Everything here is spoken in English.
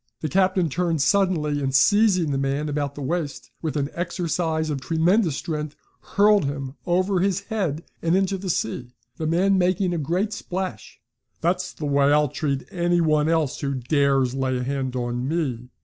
The captain turned suddenly, and seizing the man about the waist, with an exercise of tremendous strength hurled him over his head and into the sea, the man making a great splash. "That's the way I'll treat any one else who dares lay a hand on me!"